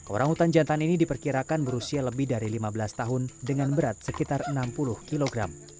orang hutan jantan ini diperkirakan berusia lebih dari lima belas tahun dengan berat sekitar enam puluh kg